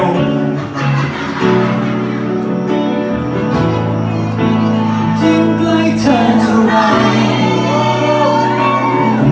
ยิ่งใกล้เธอเท่าไร